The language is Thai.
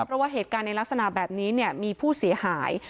เพราะว่าเหตุการณ์ในลักษณะแบบนี้มีผู้เสียหาย